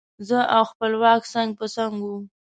زه او خپلواک څنګ په څنګ وو.